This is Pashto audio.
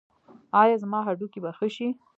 ایا زما هډوکي به ښه شي؟